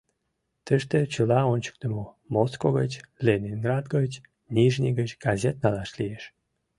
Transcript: — Тыште чыла ончыктымо: Моско гыч, Ленинград гыч, Нижний гыч газет налаш лиеш.